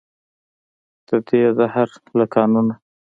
ددې دهر له قانونه.